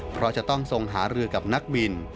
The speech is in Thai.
เพราะจะต้องทรงหารือกับนักบิน